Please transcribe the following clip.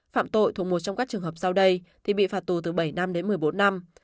phạm tội thuộc một trong các trường hợp sau đây thì bị phạt tù từ bảy năm đến một mươi bốn năm